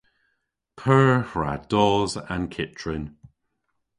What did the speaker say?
P'eur hwra dos an kyttrin?